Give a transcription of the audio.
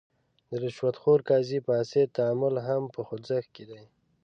د رشوت خور قاضي فاسد تعامل هم په خوځښت کې دی.